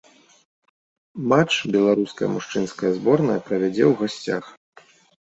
Матч беларуская мужчынская зборная правядзе ў гасцях.